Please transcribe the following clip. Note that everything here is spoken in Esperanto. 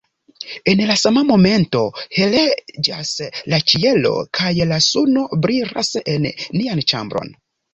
En la sama momento heliĝas la ĉielo kaj la suno brilas en nian ĉambron.